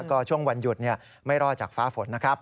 ก็ช่วงวันหยุดไม่รอดจากฟ้าฝนนะครับ